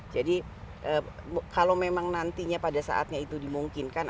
jadi kalau memang nantinya pada saatnya itu dimungkinkan